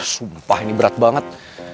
sumpah ini berat banget